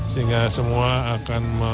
sehingga semua akan